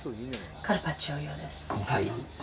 カルパッチョ用です。